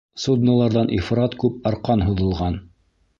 Судноларҙан ифрат күп арҡан һуҙылған.